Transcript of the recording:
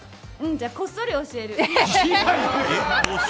じゃあ、こっそり教える。